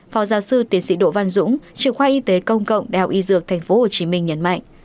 phó giáo sư tiến sĩ đỗ văn dũng trường khoa y tế công cộng đeo y dược tp hcm nhấn mạnh